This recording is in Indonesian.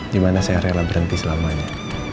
di mana saya rela berhenti selamanya